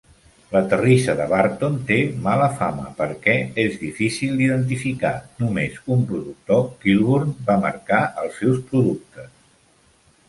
La terrissa de Burton té mala fama perquè és difícil d'identificar; només un productor, Kilburn, va marcar els seus productes.